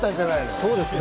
そうですね。